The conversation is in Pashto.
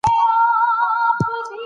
د هغې په اړه اختلاف پیدا سوی دی.